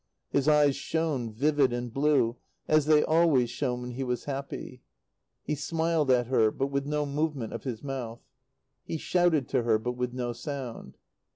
His eyes shone, vivid and blue, as they always shone when he was happy. He smiled at her, but with no movement of his mouth. He shouted to her, but with no sound.